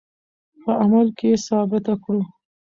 په عمل کې یې ثابته کړو.